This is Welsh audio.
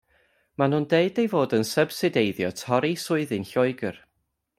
Maen nhw'n deud ei fod yn sybsideiddio torri swyddi'n Lloegr.